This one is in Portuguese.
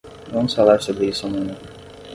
Vamos falar sobre isso amanhã.